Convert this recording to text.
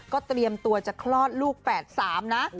ก็เตรียมตัวจะคลอดลูกแฝดสามนะ